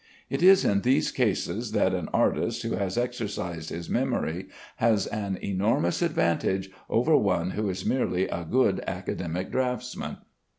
It is in these cases that an artist who has exercised his memory has an enormous advantage over one who is merely a good academic draughtsman.